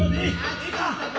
ええか。